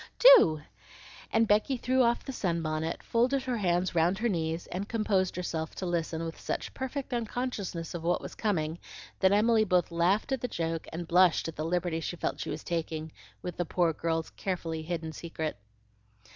"Do!" and Beck threw off the sunbonnet, folded her hands round her knees, and composed herself to listen with such perfect unconsciousness of what was coming that Emily both laughed at the joke and blushed at the liberty she felt she was taking with the poor girl's carefully hidden secret.